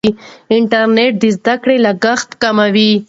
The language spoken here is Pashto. انټرنیټ د زده کړې لګښت کموي.